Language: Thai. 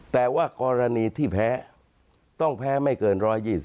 แต่ว่ากรณีที่แพ้ต้องแพ้ไม่เกิน๑๒๐